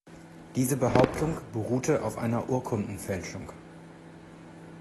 Diese Behauptung beruhte auf einer Urkundenfälschung.